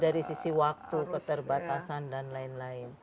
dari sisi waktu keterbatasan dan lain lain